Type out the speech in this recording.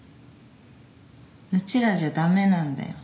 うちらじゃ駄目なんだよ